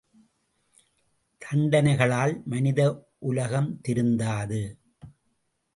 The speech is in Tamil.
தண்டனைகளால் மனித உலகம் திருந்தாது.